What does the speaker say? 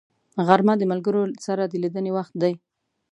غرمه د ملګرو سره د لیدنې وخت دی